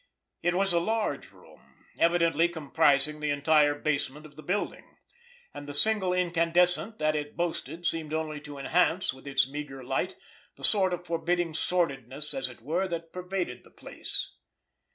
It was a large room, evidently comprising the entire basement of the building; and the single incandescent that it boasted seemed only to enhance, with its meager light, the sort of forbidding sordidness, as it were, that pervaded the place.